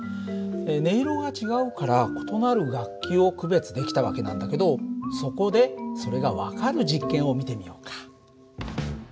音色が違うから異なる楽器を区別できた訳なんだけどそこでそれが分かる実験を見てみようか。